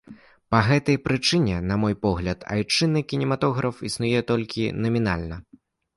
Па гэтай прычыне, на мой погляд, айчыны кінематограф існуе толькі намінальна.